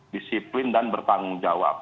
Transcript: disiplin dan bertanggung jawab